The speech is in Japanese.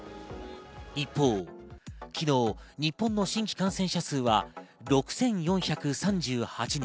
一方、昨日の日本の新規感染者数は６４３８人。